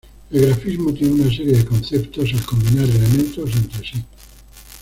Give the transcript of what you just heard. El grafismo tiene una serie de conceptos al combinar elementos entre sí.